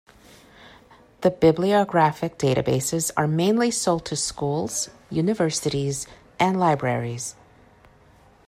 The bibliographic databases are mainly sold to schools, universities and libraries.